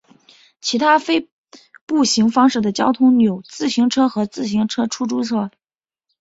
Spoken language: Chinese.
其他非步行方式的交通有自行车和自行车出租车。